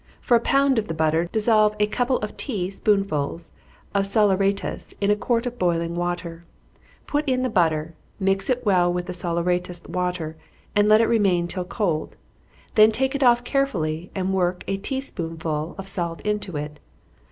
For a pound of the butter, dissolve a couple of tea spoonsful of saleratus in a quart of boiling water, put in the butter, mix it well with the saleratus water, and let it remain till cold, then take it off carefully, and work a tea spoonful of salt into it.